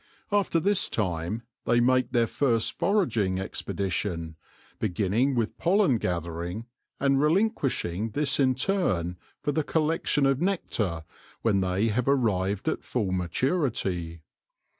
After this time they make their first foraging expedition, be ginning with pollen gathering, and relinquishing this in turn for the collection of nectar when they have arrived at full maturity.